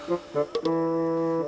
kamu mau ke rumah